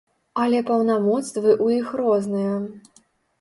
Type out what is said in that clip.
Але паўнамоцтвы ў іх розныя.